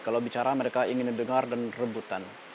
kalau bicara mereka ingin mendengar dan rebutan